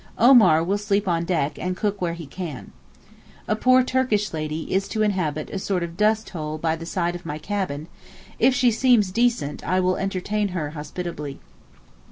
Omar will sleep on deck and cook where he can. A poor Turkish lady is to inhabit a sort of dusthole by the side of my cabin; if she seems decent, I will entertain her hospitably.